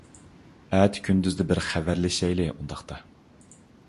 ئەتە كۈندۈزدە بىر خەۋەرلىشەيلى ئۇنداقتا.